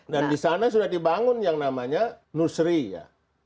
dan disana sudah dibangun yang namanya nusri ya